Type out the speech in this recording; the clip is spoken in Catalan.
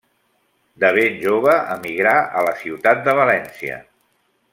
De ben jove emigrà a la ciutat de València.